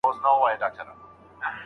له شپږو مياشتو څه درد ،درد يمه زه